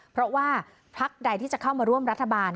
เพราะว่าพักใดที่จะเข้ามาร่วมรัฐบาล